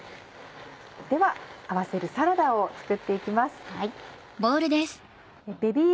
では合わせるサラダを作って行きます。